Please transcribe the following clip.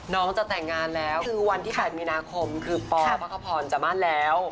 น้องจะแต่งงานแล้วคือวันที่๘มีนาคมคือปพระคพรจะมั่นแล้ว